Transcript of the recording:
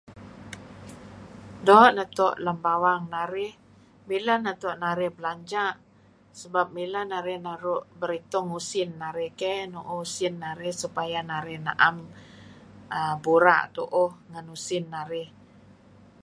Do natoh lam bawang narih, milah natoh narih belanjah, sebab milah narih naruh baritong usin narih keh, nuuh usin narih, supaya narih naam[um] burah tuuh ngan usin narih.